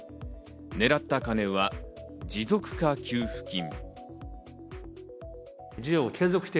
狙った金は持続化給付金。